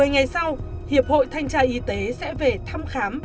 một mươi ngày sau hiệp hội thanh tra y tế sẽ về thăm khám